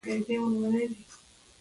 یو کېدلو غوښتنه کوي.